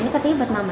ini katanya buat mama